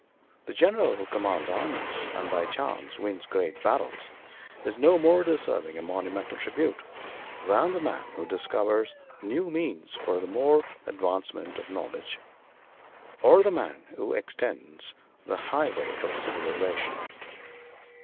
The general who commands armies, and by chance wins great battles, is no more deserving a monumental tribute than the man who discovers new means for the more rapid advancement of knowledge, or the man who extends the highway of civilization.